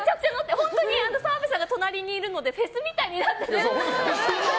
澤部さんが隣にいるのでフェスみたいになってて。